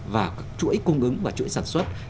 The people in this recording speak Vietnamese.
và chuỗi cung ứng và chuỗi sản xuất